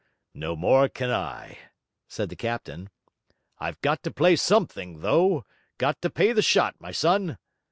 'No more can I,' said the captain. 'I've got to play something though: got to pay the shot, my son.'